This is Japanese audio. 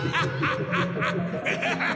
ハハハハハッ！